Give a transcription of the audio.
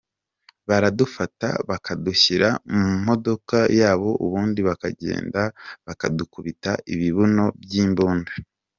Baradufata bakadushyira mu mamodoka yabo ubundi bakagenda badukubita ibibuno by’imbunda.